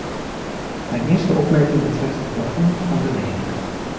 Mijn eerste opmerking betreft het plafond van de leningen.